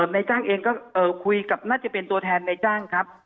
ในจ้างเองก็คุยกับน่าจะเป็นตัวแทนในจ้างครับ